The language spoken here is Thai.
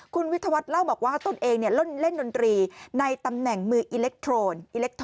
คุณวิทยาวัฒน์เล่าบอกว่าตนเองเล่นดนตรีในตำแหน่งมืออิเล็กทรอน